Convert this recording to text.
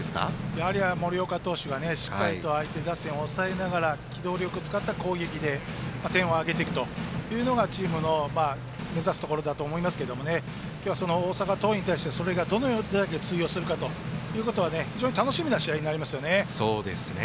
やはり森岡投手がしっかりと相手打線を抑えながら機動力を使った攻撃で点を挙げていくことがチームの目指すところだと思いますが今日は大阪桐蔭に対してそれがどれだけ通用するか非常に楽しみな試合になりますね。